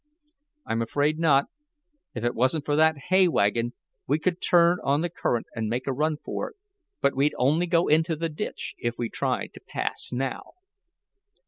"I'm afraid not. If it wasn't for that hay wagon we could turn on the current and make a run for it. But we'd only go into the ditch if we tried to pass now."